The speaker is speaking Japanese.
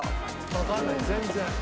わかんない全然。